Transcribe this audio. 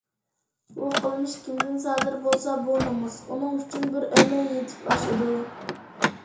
بۇ قىلمىش كىمدىن سادىر بولسا بۇ نومۇس ئۇنىڭ ئۈچۈن بىر ئۆمۈر يېتىپ ئاشىدۇ.